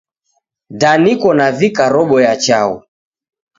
Da niko navika robo ya chaghu